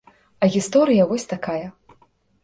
А гісторыя вось якая.